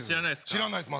知らないですか？